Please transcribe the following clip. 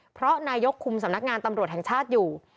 เพราะนายกคุมสำนักงานตำรวจแห่งชาติอยู่